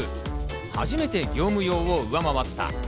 初めて業務用を上回った。